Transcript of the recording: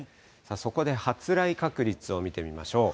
そこで発雷確率を見てみましょう。